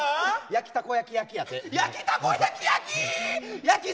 焼きたこ焼き焼き？